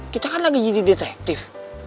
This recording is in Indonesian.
kita kan lagi jadi detektif